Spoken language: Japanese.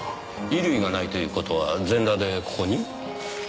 衣類がないという事は全裸でここに？